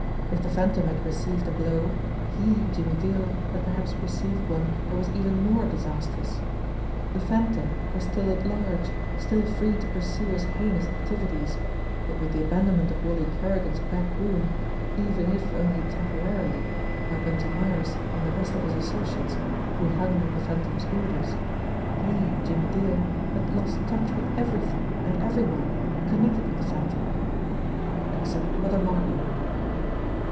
If the Phantom had received a blow, he, Jimmie Dale, had perhaps received one that was even more disastrous. The Phantom was still at large, still free to pursue his heinous activities, but with the abandonment of Wally Kerrigan's back room, even if only temporarily, by Bunty Myers and the rest of his associates who hung on the Phantom's orders, he, Jimmie Dale, had lost touch with everything and every one connected with the Phantom except Mother Margot